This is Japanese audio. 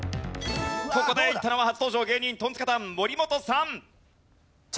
ここでいったのは初登場芸人トンツカタン森本さん。